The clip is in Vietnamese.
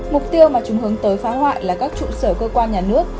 mục tiêu mà chúng hướng tới phá hoại là các trụ sở cơ quan nhà nước